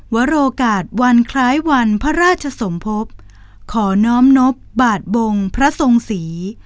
วโรกาสวันคล้ายวันพระราชสมภพขอน้อมนบบาทบงพระทรงศรี